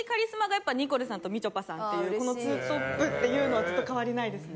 やっぱニコルさんとみちょぱさんっていうこのツートップっていうのはずっと変わりないですね。